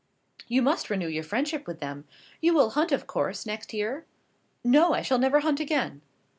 "You must renew your friendship with them. You will hunt, of course, next year?" "No, I shall never hunt again!"